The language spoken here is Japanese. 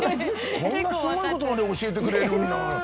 そんなすごいことまで教えてくれるんだから。